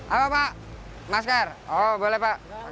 apa pak masker oh boleh pak